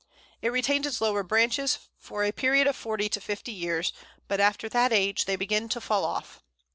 It retains its lower branches for a period of forty to fifty years, but after that age they begin to fall off.